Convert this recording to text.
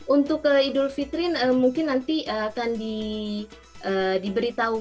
untuk idul fitrin mungkin nanti akan diberitahu